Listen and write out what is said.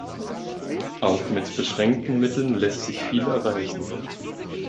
Auch mit beschränkten Mitteln lässt sich viel erreichen.